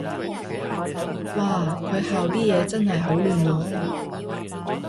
嘩，佢校啲嘢真係好亂囉